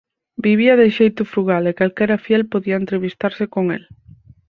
Vivía de xeito frugal e calquera fiel podía entrevistarse con el.